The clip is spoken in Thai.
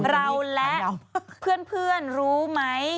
เราและเพื่อนรู้ไหม